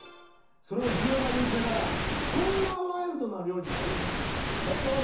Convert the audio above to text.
それを１０倍に薄めたらこんなワイルドな量になるんや。